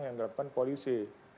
yang dilakukan polisi